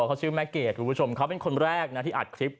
เขาชื่อแม่เกดคุณผู้ชมเขาเป็นคนแรกนะที่อัดคลิป